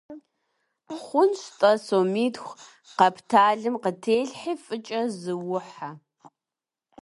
Хъунщ-тӀэ, сомитху къэпталым къытелъхьи, фӀыкӀэ зыухьэ.